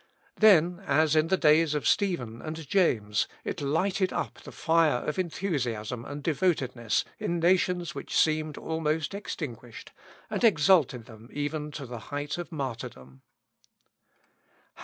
Then, as in the days of Stephen and James, it lighted up the fire of enthusiasm and devotedness in nations which seemed almost extinguished, and exalted them even to the height of martyrdom.